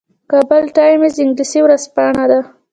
کابل ټایمز انګلیسي ورځپاڼه ده